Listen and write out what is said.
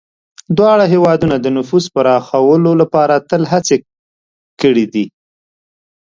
دواړه هېوادونه د نفوذ پراخولو لپاره تل هڅې کړي دي.